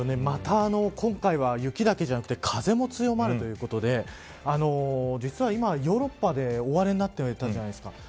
また今回は、雪だけじゃなくて風も強まるということで実は今、ヨーロッパで大荒れになっていたじゃないですか。